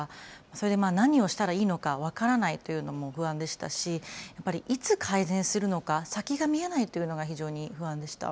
それで何をしたらいいのか分からないというのも不安でしたし、やっぱり、いつ改善するのか、先が見えないというのが非常に不安でした。